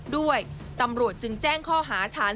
ด้วยตำรวจจึงแจ้งข้อหาฐาน